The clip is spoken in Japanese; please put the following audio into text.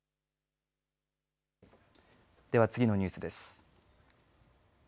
では次のニュースです。